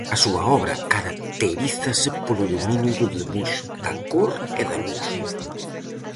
A súa obra caracterízase polo dominio do debuxo, da cor e da luz.